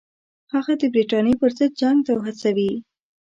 هغه د برټانیې پر ضد جنګ ته وهڅوي.